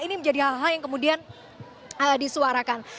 ini menjadi hal hal yang kemudian disuarakan